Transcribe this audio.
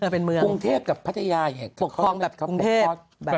เป็นเมืองคุณเทพกับพัทยาเนี่ยปกครองแบบคุณเทพแบบ